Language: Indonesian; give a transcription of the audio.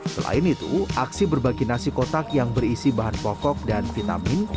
selain itu aksi berbagi nasi kotak yang berisi bahan pokok dan vitamin